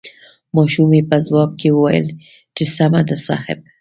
ماشومې په ځواب کې وويل چې سمه ده صاحب.